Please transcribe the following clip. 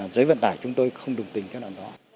giới vận tài chúng tôi không đồng tình cái năng đó